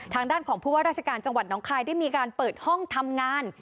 ทางด้านของผู้ว่าราชการจังหวัดน้องคายได้มีการเปิดห้องทำงาน